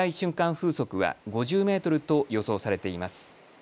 風速は５０メートルと予想されています。